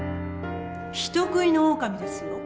人食いのオオカミですよ？